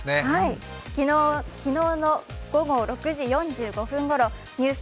昨日の午後６時４５分ごろニュース